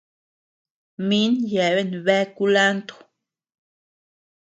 Min yeabean bea kulanto.